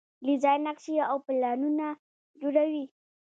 ډیزاین نقشې او پلانونه جوړوي.